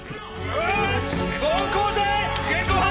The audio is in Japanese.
よし！